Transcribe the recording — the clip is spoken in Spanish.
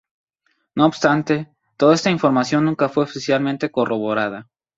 No obstante, toda esta información nunca fue oficialmente corroborada.